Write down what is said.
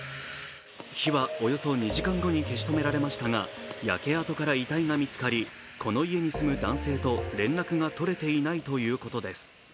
火はおよそ２時間後に消し止められましたが、焼け跡から遺体が見つかり、この家に住む男性と連絡が取れていないということです。